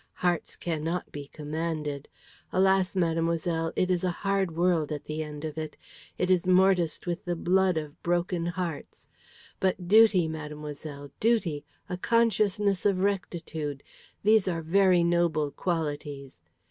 Hearts cannot be commanded. Alas, mademoiselle, it is a hard world at the end of it. It is mortised with the blood of broken hearts. But duty, mademoiselle, duty, a consciousness of rectitude, these are very noble qualities.